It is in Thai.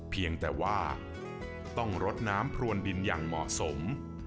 เพียงแต่ว่าต้องรดน้ำพรวนดินอย่างเหมาะสม